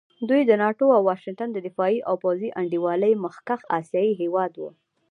دوی د ناټو او واشنګټن د دفاعي او پوځي انډیوالۍ مخکښ اسیایي هېواد وو.